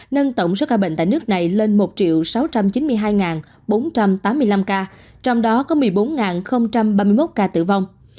nâng tổng số ca bệnh tại nước này lên một sáu trăm chín mươi hai bốn trăm tám mươi năm ca trong đó có một mươi bốn ba mươi một ca tử vong